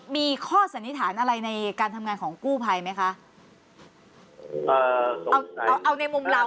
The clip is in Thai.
มีข้อสันนิษฐานอะไรในการทำงานของกู้ภัยไหมคะอ่าเอาเอาเอาในมุมเรา